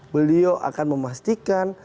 beliau akan memastikan